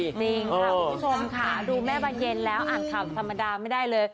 จริงค่ะคุณผู้ชมค่ะดูแม่บานเย็นแล้วอ่านข่าวธรรมดาไม่ได้เลย